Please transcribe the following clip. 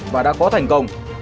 và đã có thành công